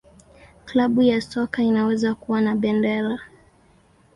Klabu ya soka inaweza kuwa na bendera.